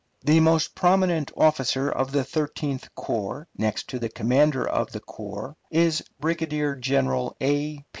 The most prominent officer of the Thirteenth Corps, next to the commander of the corps, is Brigadier General A.